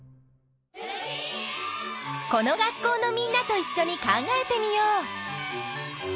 この学校のみんなといっしょに考えてみよう！